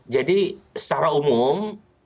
jadi secara umum